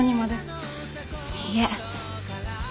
いいえ。